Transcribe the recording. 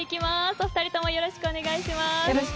お二人ともよろしくお願いします。